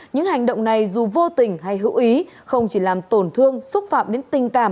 những hành động này dù vô tình hay hữu ý không chỉ làm tổn thương xúc phạm đến tình cảm